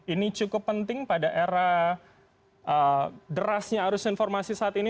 ini cukup penting pada era derasnya arus informasi saat ini